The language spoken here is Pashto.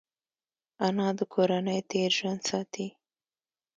انا د کورنۍ تېر ژوند ساتي